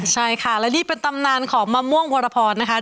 ใช่ค่ะและนี่เป็นตำนานของมะม่วงวรพรนะคะ